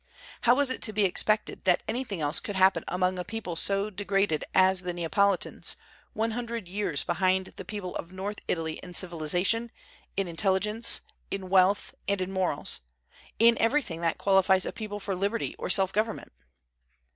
How was it to be expected that anything else could happen among a people so degraded as the Neapolitans, one hundred years behind the people of North Italy in civilization, in intelligence, in wealth, and in morals, in everything that qualifies a people for liberty or self government?